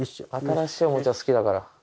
新しいおもちゃ好きだから。